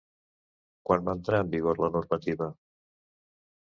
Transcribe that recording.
Quan va entrar en vigor la normativa?